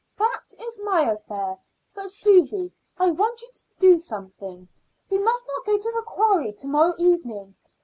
"That is my affair. But, Susy, I want you to do something. We must not go to the quarry to morrow evening.